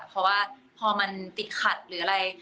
เพราะว่าพอมันติดขัดหรืออะไร